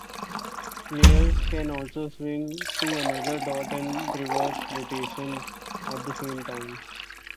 Players can also swing to another dot and reverse rotation at the same time.